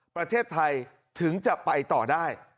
ประเทศไทยถึงจะไปต่อได้